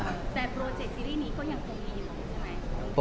แต่โปรเจคซีรีส์นี้ก็ยังคงมีอยู่ใช่ไหม